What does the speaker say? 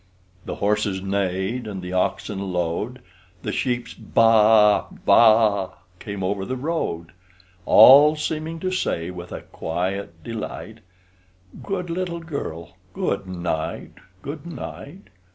The horses neighed, and the oxen lowed, The sheep's "Bleat! bleat!" came over the road; All seeming to say, with a quiet delight, "Good little girl, good night, good night!"